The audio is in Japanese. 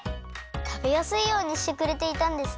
たべやすいようにしてくれていたんですね。